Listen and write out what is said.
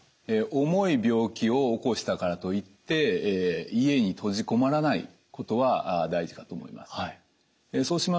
重い病気を起こしたからといって家に閉じ籠もらないことは大事かと思います。